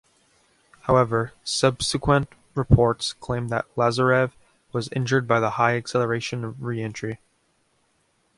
However, subsequent reports claimed that Lazarev was injured by the high acceleration of re-entry.